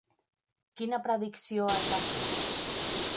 Quina predicció es va fer?